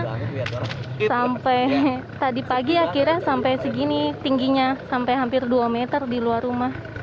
sampai tadi pagi akhirnya sampai segini tingginya sampai hampir dua meter di luar rumah